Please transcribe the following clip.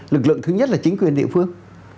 lực lượng thứ nhất là chính quyền địa phương